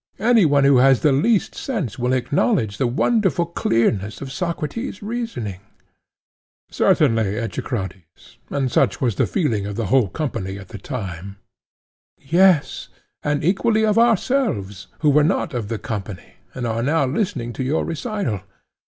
Any one who has the least sense will acknowledge the wonderful clearness of Socrates' reasoning. PHAEDO: Certainly, Echecrates; and such was the feeling of the whole company at the time. ECHECRATES: Yes, and equally of ourselves, who were not of the company, and are now listening to your recital.